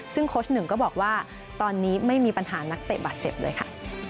ซึ่งโค้ชหนึ่งก็บอกว่าตอนนี้ไม่มีปัญหานักเตะบาดเจ็บเลยค่ะ